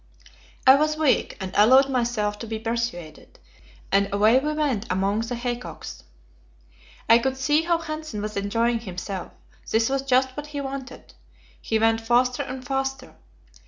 I was weak, and allowed myself to be persuaded, and away we went among the haycocks. I could see how Hanssen was enjoying himself; this was just what he wanted. We went faster and faster.